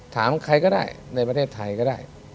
ถามใครก็ได้น้ายพะเทรนไทยก็ได้